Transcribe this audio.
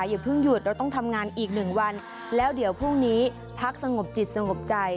อย่าเพิ่งหยุดเราต้องทำงานอีกหนึ่งวันแล้วเดี๋ยวพรุ่งนี้พักสงบจิตสงบใจ